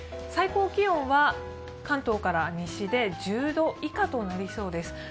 最高気温は関東から西で１０度以下となりそうです。